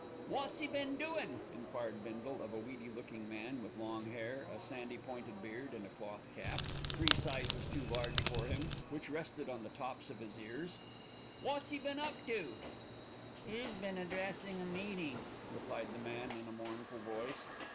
"Wot's 'e been doin'?" enquired Bindle of a weedy looking man with long hair, a sandy pointed beard, and a cloth cap, three sizes too large for him, which rested on the tops of his ears. "Wot's 'e been up to?" "He's been addressing a meeting," replied the man in a mournful voice.